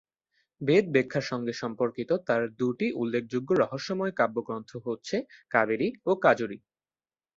বেদব্যাখ্যার সঙ্গে সম্পর্কিত তাঁর দুটি উল্লেখযোগ্য রহস্যময় কাব্যগ্রন্থ হচ্ছে কাবেরী ও কাজরী।